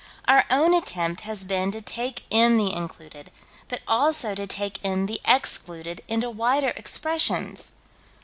Our own attempt has been to take in the included, but also to take in the excluded into wider expressions.